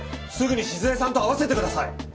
すぐに静江さんと会わせてください。